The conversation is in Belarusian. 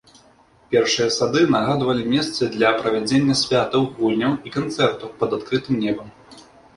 Першыя сады нагадвалі месцы для правядзення святаў, гульняў і канцэртаў пад адкрытым небам.